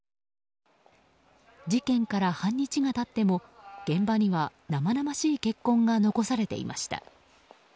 事件から半日が経っても現場には、生々しい血痕が残されていました。